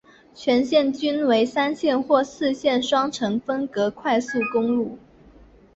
全线均为三线或四线双程分隔快速公路。